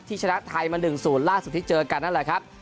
ชนะไทยมา๑๐ล่าสุดที่เจอกันนั่นแหละครับ